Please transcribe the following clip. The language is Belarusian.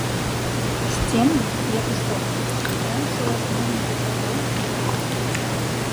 Сцены, як і столь, складаюцца ў асноўным з вітражоў з каляровага шкла.